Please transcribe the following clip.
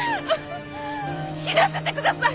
死なせてください！